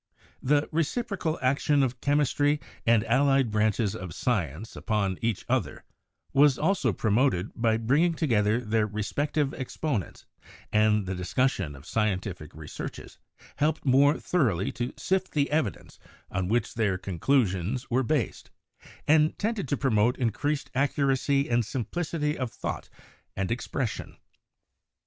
The reciprocal action of chem istry and allied branches of science upon each other was also promoted by bringing together their respective ex ponents, and the discussion of scientific researches helped more thoroly to sift the evidence on which their con clusions were based, and tended to promote increased ac curacy and simplicity of thought and expression.